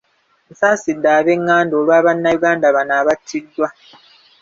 Nsaasidde ab’enganda olwa Bannayuganda bano abattiddwa.